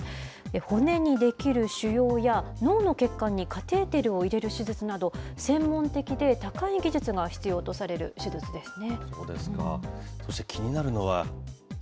骨に出来る腫瘍や、脳の血管にカテーテルを入れる手術など、専門的で高い技術が必要とされる手術ですね。